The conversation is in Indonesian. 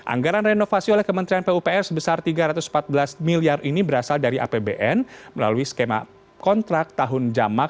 anggaran renovasi oleh kementerian pupr sebesar tiga ratus empat belas miliar ini berasal dari apbn melalui skema kontrak tahun jamak dua ribu dua puluh